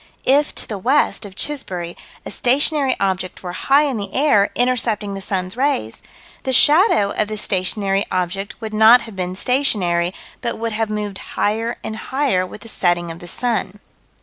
If, to the west of Chisbury, a stationary object were high in the air, intercepting the sun's rays, the shadow of the stationary object would not have been stationary, but would have moved higher and higher with the setting of the sun.